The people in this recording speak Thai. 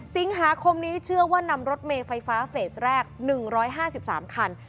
สิงหาคมนี้เชื่อว่านำรถเมย์ไฟฟ้าเฟสแรก๑๕๓คัน